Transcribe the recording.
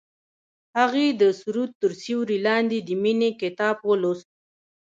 هغې د سرود تر سیوري لاندې د مینې کتاب ولوست.